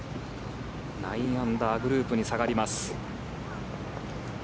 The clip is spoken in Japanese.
９アンダーグループに下がります。